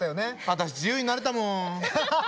私自由になれたもん！